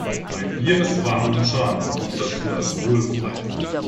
Mein Bier ist warm und schal und noch dazu alkoholfrei.